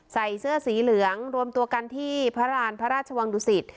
ใส่เสื้อสีเหลืองรวมตัวกันที่พระราณพระราชวังดุสิต